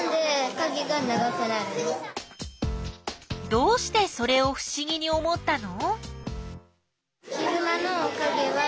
どうしてそれをふしぎに思ったの？